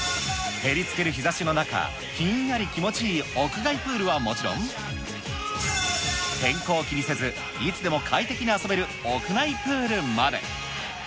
照りつける日ざしの中、ひんやり気持ちいい屋外プールはもちろん、天候を気にせず、いつでも快適に遊べる屋内プールまで。